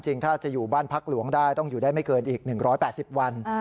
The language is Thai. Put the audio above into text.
ถ้าจะอยู่บ้านพักหลวงได้ต้องอยู่ได้ไม่เกินอีก๑๘๐วัน